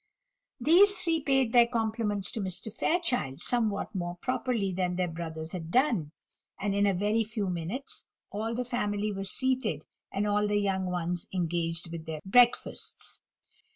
These three paid their compliments to Mr. Fairchild somewhat more properly than their brothers had done; and in a very few minutes all the family were seated, and all the young ones engaged with their breakfasts.